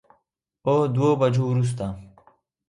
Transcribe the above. او دوو بجو وروسته